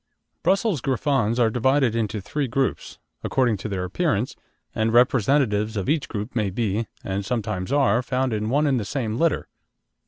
Brussels Griffons are divided into three groups, according to their appearance, and representatives of each group may be, and sometimes are, found in one and the same litter.